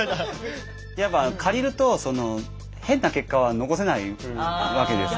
やっぱ借りると変な結果は残せないわけですんで。